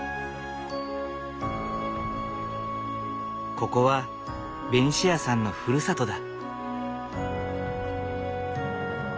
ここはベニシアさんのふるさとだ。